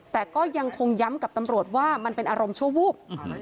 แต่ก็ยังคงย้ำกับตำรวจว่ามันเป็นอารมณ์ชั่ววูบ